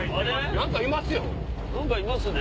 何かいますね。